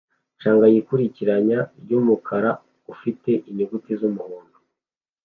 canga yikurikiranya ryumukara ufite inyuguti z'umuhondo